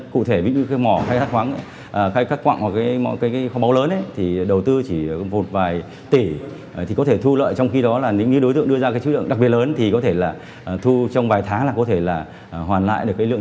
cụ thể mỏ hay thắt khoáng cắt quặng hoặc kho báu lớn